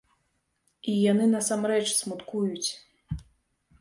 І яны насамрэч смуткуюць.